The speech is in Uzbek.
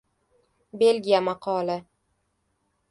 Belgiya maqoli